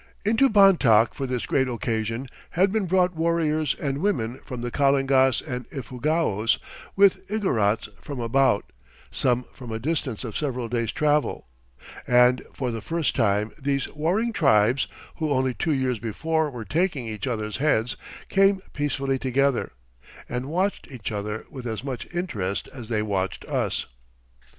Into Bontoc for this great occasion had been brought warriors and women from the Kalingas and Ifugaos, with Igorots from about, some from a distance of several days' travel; and for the first time these warring tribes, who only two years before were taking each other's heads, came peacefully together, and watched each other with as much interest as they watched us.